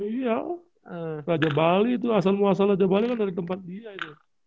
iya raja bali itu asal muasal raja bali kan dari tempat dia itu